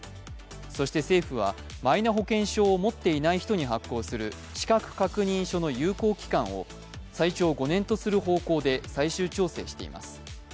そして、政府はマイナ保険証を持っていない人に発行する資格確認書の有効期間を最長５年とする方向で最終調整しています。